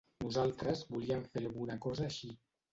Nosaltres volíem fer alguna cosa així.